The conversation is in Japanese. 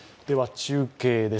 中継です。